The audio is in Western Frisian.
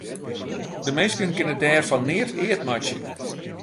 De minsken kinne dêr fan neat eat meitsje.